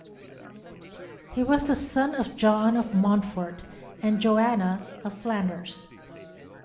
He was the son of John of Montfort and Joanna of Flanders.